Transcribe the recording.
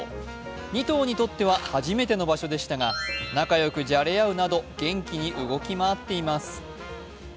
２頭にとっては初めての場所でしたが、仲良くじゃれ合うなど元気に動き回っています。